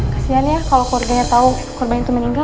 kasian ya kalau keluarganya tahu korban itu meninggal